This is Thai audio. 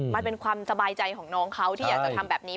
มันเป็นความสบายใจของน้องเขาที่อยากจะทำแบบนี้